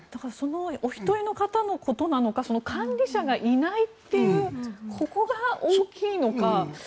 お一人の方のことなのか管理者がいないっていうここが大きいのか。